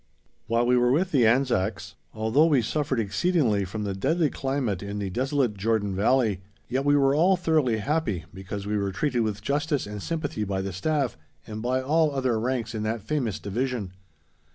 While we were with the Anzacs, although we suffered exceedingly from the deadly climate in the desolate Jordan Valley, yet we were all thoroughly happy, because we were treated with justice and sympathy by the Staff and by all other ranks in that famous division.